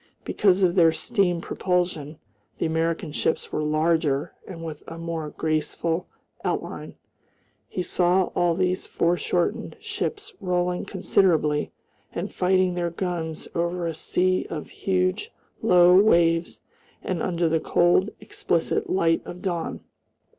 Because of their steam propulsion, the American ships were larger and with a more graceful outline. He saw all these foreshortened ships rolling considerably and fighting their guns over a sea of huge low waves and under the cold, explicit light of dawn.